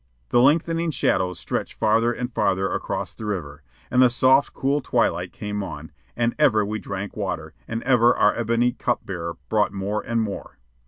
The lengthening shadows stretched farther and farther across the river, and the soft, cool twilight came on, and ever we drank water, and ever our ebony cup bearer brought more and more.